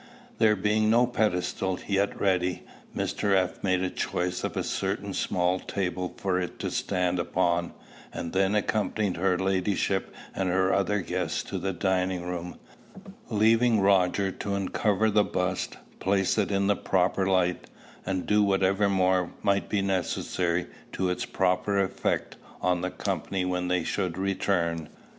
There being no pedestal yet ready, Mr. F. made choice of a certain small table for it to stand upon, and then accompanied her ladyship and her other guests to the dining room, leaving Roger to uncover the bust, place it in the proper light, and do whatever more might be necessary to its proper effect on the company when they should return.